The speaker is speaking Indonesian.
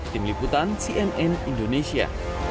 tim liputan cnn indonesia